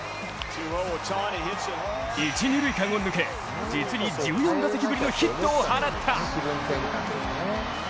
一・二塁間を抜け実に１４打席ぶりのヒットを放った。